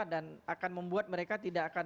dan akan membuat mereka tidak akan